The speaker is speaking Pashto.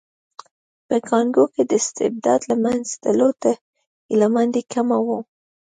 په کانګو کې د استبداد له منځه تلو ته هیله مندي کمه وه.